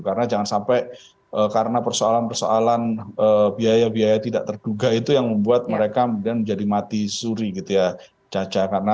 karena jangan sampai karena persoalan persoalan biaya biaya tidak terduga itu yang membuat mereka menjadi mati suri gitu ya